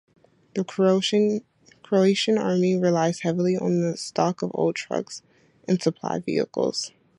The Croatian Army relies heavily on the stock of old trucks and supply vehicles.